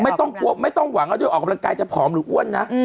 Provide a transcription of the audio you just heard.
ไม่ต้องหวังว่าตรวจออกกำลังกายจะผอมหรืออ้วนนะ